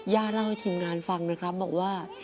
ย่าเล่าให้ทีมงานฟังนะครับว่า